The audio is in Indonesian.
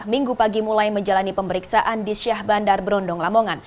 minggu pagi mulai menjalani pemeriksaan di syah bandar berondong lamongan